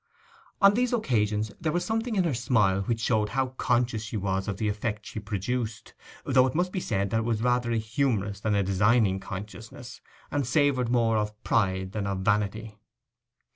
On these occasions there was something in her smile which showed how conscious she was of the effect she produced, though it must be said that it was rather a humorous than a designing consciousness, and savoured more of pride than of vanity.